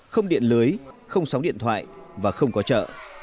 không điện lưới không sóng điện thoại và không có chợ